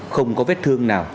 không có vết thương nào